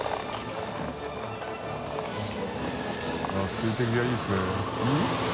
水滴がいいですね。